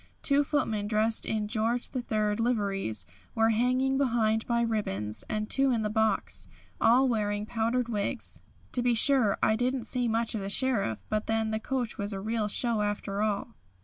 Two footmen dressed in George III. liveries were hanging behind by ribbons, and two on the box, all wearing powdered wigs. To be sure, I didn't see much of the Sheriff, but then the coach was the real show after all."